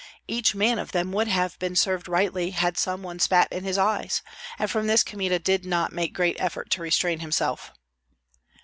Each man of them would have been served rightly had some one spat in his eyes, and from this Kmita did not make great effort to restrain himself.